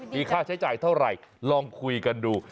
มีค่าใช้จ่ายเท่าไหร่ลองคุยกันดู